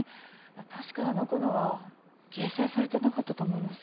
確かあの子のは掲載されてなかったと思います。